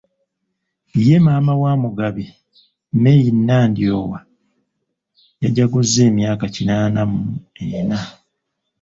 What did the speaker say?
Ye maama wa Mugabi, Meyi Nandyowa yajaguzza emyaka kinaana mu ena.